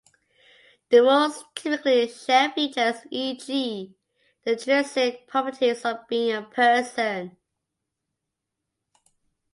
The roles typically share features, e.g., the intrinsic properties of being a person.